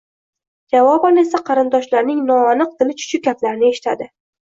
javoban esa qarindoshlarining noaniq tili chuchuk gaplarini eshitadi.